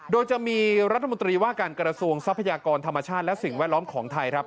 โดยจะมีรัฐมนตรีว่าการกระทรวงทรัพยากรธรรมชาติและสิ่งแวดล้อมของไทยครับ